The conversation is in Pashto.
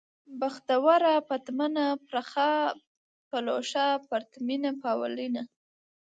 بختوره ، پتمنه ، پرخه ، پلوشه ، پرتمينه ، پاولينه